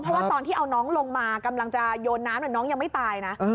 เพราะว่าตอนที่เอาน้องลงมากำลังจะโยนน้ำน้องยังไม่ตายนะ